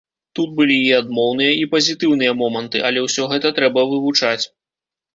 Тут былі і адмоўныя, і пазітыўныя моманты, але ўсё гэта трэба вывучаць.